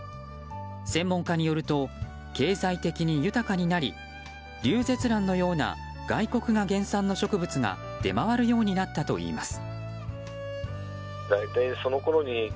専門家によると経済的に豊かになりリュウゼツランのような外国が原産の植物が出回るようになったといいます。